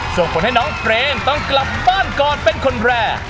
ส่งผลให้น้องเพลงต้องกลับบ้านก่อนเป็นคนแรก